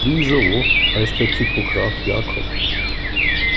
Wieso heißt der Typograf Jakob?